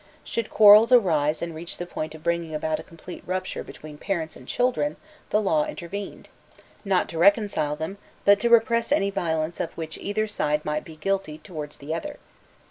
Should quarrels arise and reach the point of bringing about a complete rupture between parents and children, the law intervened, not to reconcile them, but to repress any violence of which either side might be guilty towards the other.